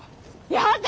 やだ！